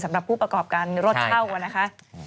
สำหรับผู้ประกอบการรถเช่านะคะ